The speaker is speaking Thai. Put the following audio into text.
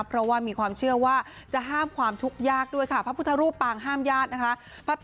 เพราะว่ามีความเชื่อว่าจะห้ามความทุกข์ยากด้วยค่ะพระพุทธรูปปางห้ามญาตินะคะ